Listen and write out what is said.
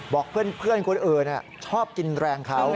บอกเพื่อนคนอื่นชอบกินแรงเขา